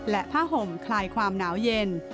และผ้าห่มคลายความหนาวเย็น